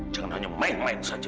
jangan hanya memainkan saja